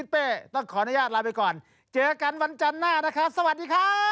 โปรดติดตามตอนต่อไป